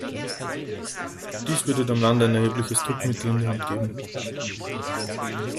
Dies würde dem Land ein erhebliches Druckmittel in die Hand geben.